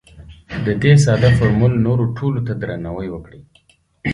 د دې ساده فورمول نورو ټولو ته درناوی وکړئ.